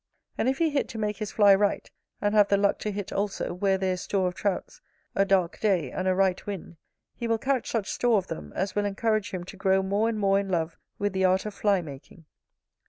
And if he hit to make his fly right, and have the luck to hit, also, where there is store of Trouts, a dark day, and a right wind, he will catch such store of them, as will encourage him to grow more and more in love with the art of fly making.